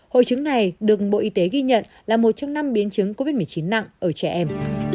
hội chứng này được bộ y tế ghi nhận là một trong năm biến chứng covid một mươi chín nặng ở trẻ em